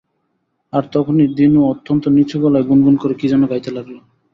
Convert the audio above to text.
আর তখনি দিনু অত্যন্ত নিচু গলায় গুনগুন করে কী যেন গাইতে লাগল।